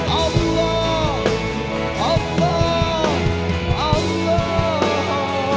allah allah allah